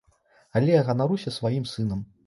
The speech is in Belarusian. Але я ганаруся сваім сынам.